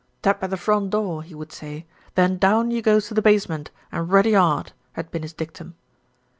"Tap at the front door, he would say, then down you goes to the basement, and ruddy 'ard," had been his dictum.